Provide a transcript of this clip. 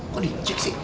kok di cek sih